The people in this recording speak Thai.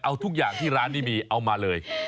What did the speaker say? เอาทุกอย่างที่ร้านนี้มีเอามาเลย